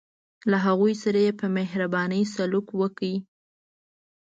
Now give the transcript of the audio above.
له هغوی سره یې په مهربانۍ سلوک وکړ.